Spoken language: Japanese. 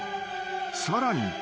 ［さらに］